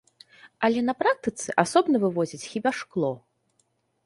Але на практыцы асобна вывозяць хіба шкло.